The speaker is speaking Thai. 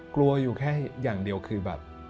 กลัวอยู่แค่อย่างเดียวคือแบบ